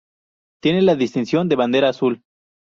Tiene la distinción de Bandera Azul.